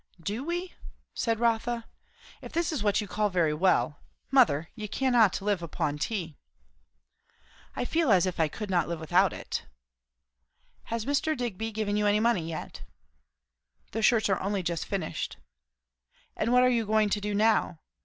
"Do we?" said Rotha. "If this is what you call very well Mother, you cannot live upon tea." "I feel as if I could not live without it." "Has Mr. Digby given you any money yet?" "The shirts are only just finished." "And what are you going to do now?